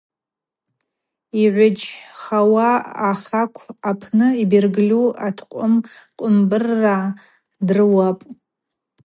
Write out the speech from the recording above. Йгӏвыджьхауа ахакв апны йбергьльу аткъвым Кӏвымбырргӏа дрыуапӏ.